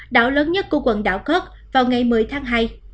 đảo lớn nhất của quần đảo cớt vào ngày một mươi tháng hai